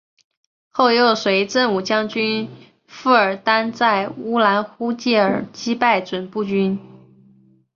后又随振武将军傅尔丹在乌兰呼济尔击败准部军。